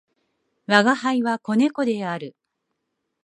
吾輩は、子猫である。